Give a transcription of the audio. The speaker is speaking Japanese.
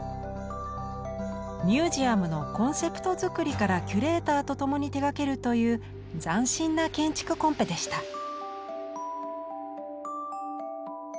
ミュージアムのコンセプト作りからキュレーターと共に手がけるという斬新な建築コンペでした。